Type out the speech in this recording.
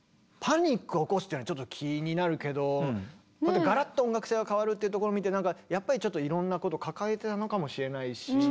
パニックを起こすっていうのはちょっと気になるけどガラッと音楽性が変わるってところ見てなんかやっぱりちょっといろんなこと抱えてたのかもしれないし。